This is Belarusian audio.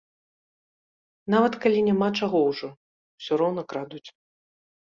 Нават калі няма чаго ўжо, усё роўна крадуць.